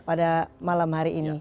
pada malam hari ini